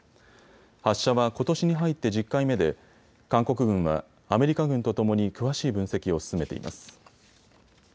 発射はことしに入って１０回目で韓国軍はアメリカ軍とともに詳しい分析を進めています。